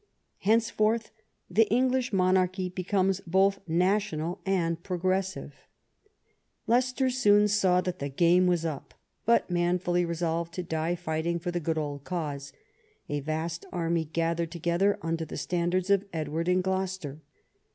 Henceforth the English monarchy becomes both national and progressive. 40 EDWARD I chap. Leicester soon saw that the game was up, but man fully resolved to die fighting for the good old cause. A vast army gathered together under the standards of Edward and Gloucester.